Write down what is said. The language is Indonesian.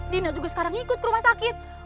dina juga sekarang ikut ke rumah sakit